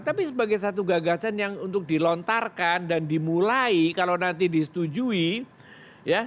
tapi sebagai satu gagasan yang untuk dilontarkan dan dimulai kalau nanti disetujui ya